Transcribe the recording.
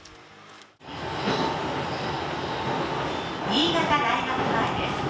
「新潟大学前です」